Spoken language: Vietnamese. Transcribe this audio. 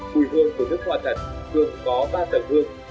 mùi hương của nước hoa thật thường có ba tầng hương